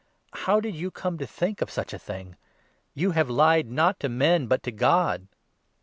How did you come to think of such a thing? You have lied, not to men, but to God